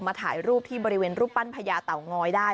ถ่ายรูปที่บริเวณรูปปั้นพญาเต่าง้อยได้